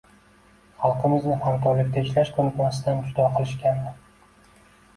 Xalqimizni hamkorlikda ishlash ko‘nikmasidan judo qilishgandi.